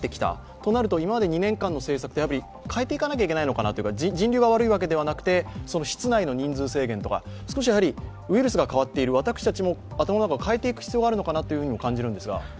となると今まで２年間の政策を変えていかなきゃいけないのかなというか、人流が悪いのではなくて室内の人数制限とか、ウイルスが変わっている、私たちも頭の中を変えていく必要があるのではと思うんですが？